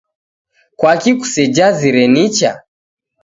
Kwaki kusejazire nicha